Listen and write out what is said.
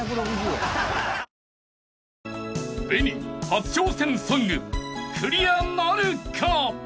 初挑戦ソングクリアなるか］